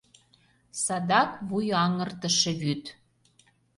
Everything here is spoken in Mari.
Садак вуй аҥыртыше вӱд.